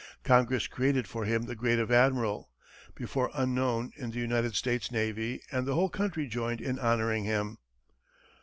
Congress created for him the grade of admiral, before unknown in the United States navy, and the whole country joined in honoring him.